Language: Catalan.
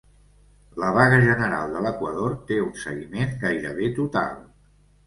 La vaga general de l'Equador té un seguiment gairebé total